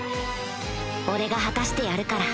俺が果たしてやるから